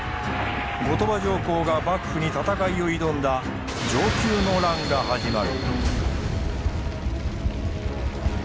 後鳥羽上皇が幕府に戦いを挑んだ承久の乱が始まる。